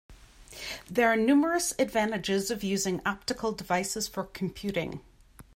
There are numerous advantages of using optical devices for computing.